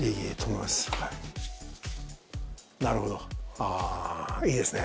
ああいいですね。